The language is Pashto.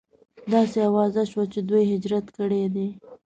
داسې اوازه شوه چې دوی هجرت کړی دی.